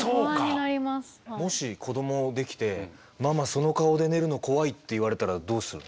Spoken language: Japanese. もし子ども出来て「ママその顔で寝るの怖い」って言われたらどうするの？